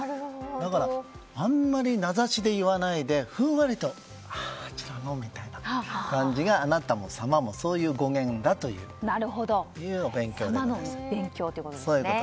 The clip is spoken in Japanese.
だからあんまり名指しで言わないでふんわりとあちらのみたいな感じが「あなた」も「様」もそういう語源だというお勉強です。